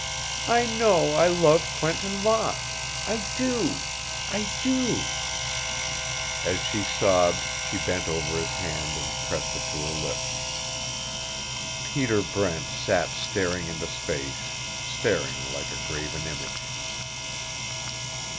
I know I love Quentin Locke I do I do " As she sobbed she bent over his hand and pressed it to her lips. Peter Brent sat staring into space, staring like a graven image.